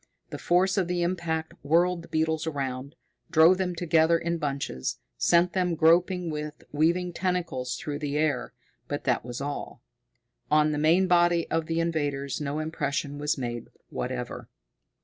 The force of the impact whirled the beetles around, drove them together in bunches, sent them groping with weaving tentacles through the air but that was all. On the main body of the invaders no impression was made whatever.